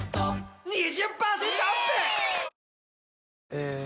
え